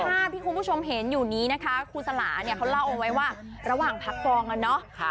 ภาพที่คุณผู้ชมเห็นอยู่นี้นะคะครูสลาเนี่ยเขาเล่าเอาไว้ว่าระหว่างพักกองกันเนาะ